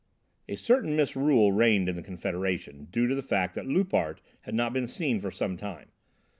A certain misrule reigned in the confederation, due to the fact that Loupart had not been seen for some time.